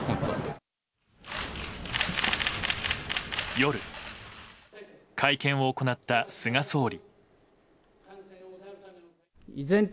夜、会見を行った菅総理。